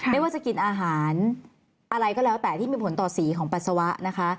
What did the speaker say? ไม่ว่าจะกินอาหารอะไรก็แล้วแต่ที่มีผลต่อสีของปัสสาวะนะคะ